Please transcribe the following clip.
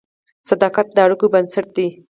صداقت د اړیکو بنسټ دی.